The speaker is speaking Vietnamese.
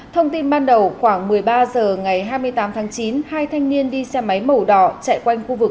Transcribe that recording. thông tin ban đầu khoảng một mươi ba h ngày hai mươi tám tháng chín hai thanh niên đi xe máy màu đỏ chạy quanh khu vực